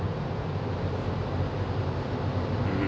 うん。